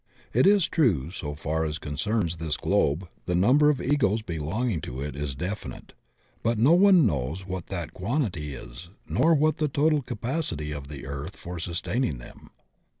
It is true that so far as concerns this globe the number of Egos belonging to it is definite; but no one knows what that quantity is nor what is the total capacity of the earth for sus taining them.